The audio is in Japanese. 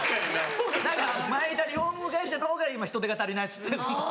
何か前いたリフォーム会社の方が今人手が足りないっつって。